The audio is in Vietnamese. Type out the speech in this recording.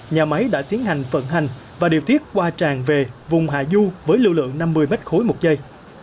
nhà máy đã tiến hành vận hành và điều tiết qua tràn về vùng hạ du với lưu lượng năm mươi m ba một giây